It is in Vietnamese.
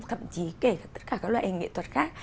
thậm chí kể tất cả các loại hình nghệ thuật khác